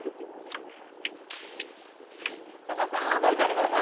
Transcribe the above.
さださん、見ててください！